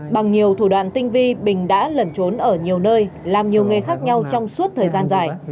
bằng nhiều thủ đoạn tinh vi bình đã lẩn trốn ở nhiều nơi làm nhiều nghề khác nhau trong suốt thời gian dài